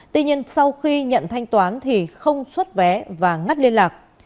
tuy nhiên sau khi nhận thanh toán thì không xuất vé và ngắt liên lạc